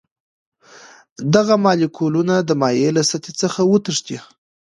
دغه مالیکولونه د مایع له سطحې څخه وتښتي.